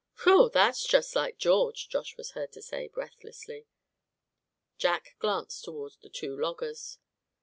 "Whew! that's just like George!" Josh was heard to say, breathlessly. Jack glanced toward the two loggers.